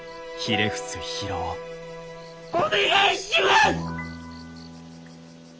お願いします！